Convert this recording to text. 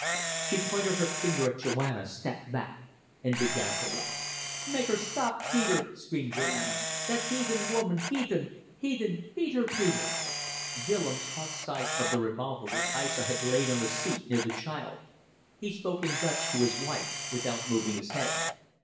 She pointed her finger at Joanna, stepped back, and began to laugh. "Make her stop, Peter!" screamed Joanna. "That heathen woman. Heathen! Heathen! Beat her, Peter." Willems caught sight of the revolver which Aissa had laid on the seat near the child. He spoke in Dutch to his wife, without moving his head.